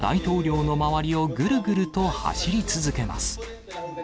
その後も大統領の周りをぐるぐると走り続けます。